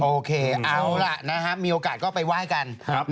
โอเคเอาล่ะนะครับมีโอกาสก็ไปไหว้กัน